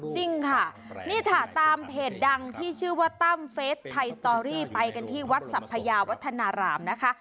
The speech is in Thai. จริงค่ะนี่ค่ะตามเพจดังที่ชื่อว่าตั้มเฟสไทยสตอรี่ไปกันที่วัดสัพพยาวัฒนารามนะคะ